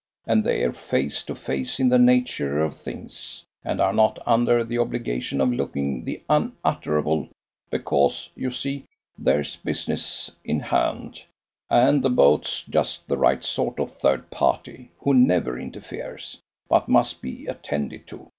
And they're face to face in the nature of things, and are not under the obligation of looking the unutterable, because, you see, there's business in hand; and the boat's just the right sort of third party, who never interferes, but must be attended to.